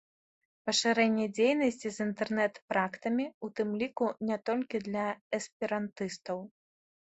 Пашырэнне дзейнасці з інтэрнэт-практамі, у тым ліку не толькі для эсперантыстаў.